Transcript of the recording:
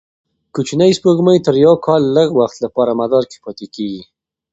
کوچنۍ سپوږمۍ تر یوه کال لږ وخت لپاره مدار کې پاتې کېږي.